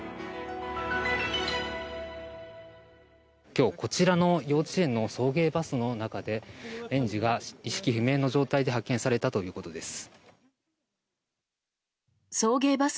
今日、こちらの幼稚園の送迎バスの中で園児が意識不明の状態で発見されたということです。